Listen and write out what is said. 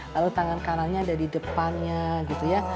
lalu tangan kanannya ada di depannya gitu ya